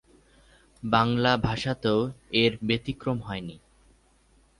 বাংলা ভাষাতেও এর ব্যতিক্রম হয়নি।